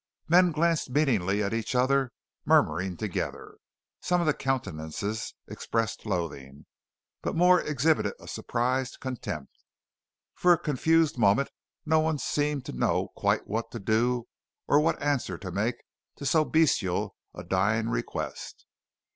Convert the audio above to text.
Men glanced meaningly at each other, murmuring together. Some of the countenances expressed loathing, but more exhibited a surprised contempt. For a confused moment no one seemed to know quite what to do or what answer to make to so bestial a dying request.